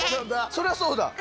そりゃそうだ。